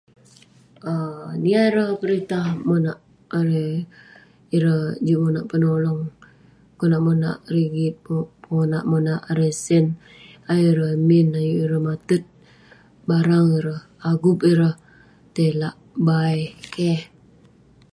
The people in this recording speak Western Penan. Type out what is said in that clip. um niah ireh peritah monak..erei..ireh juk monak penolong, konak monak rigit, konak monak erei..sen..ayuk ireh min, ayuk ireh matet, barang ireh, agup ireh tai lak bai, keh..